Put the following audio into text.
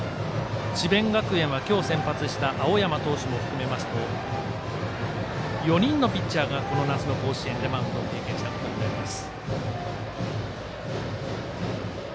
智弁学園は今日、先発の青山投手も含めますと４人のピッチャーが夏の甲子園でマウンドを経験したことになります。